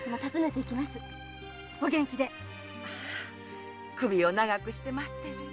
首を長くして待ってるよ。